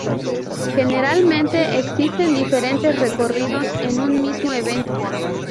Generalmente, existen diferentes recorridos en un mismo evento.